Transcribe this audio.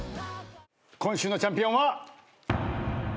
今週のチャンピオンは。